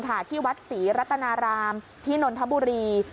ที่วัดศรีรัตนารามที่นนทบุรี